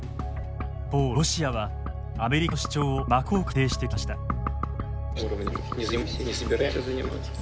一方ロシアはアメリカの主張を真っ向から否定してきました。